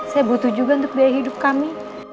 saya butuh juga untuk biaya hidup kami